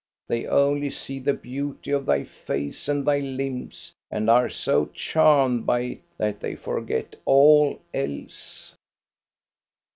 They only see the beauty of thy face and thy limbs, and are so charmed by it that they forget all else.